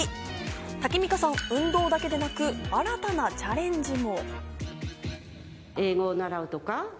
タキミカさん、運動だけでなく新たなチャレンジも。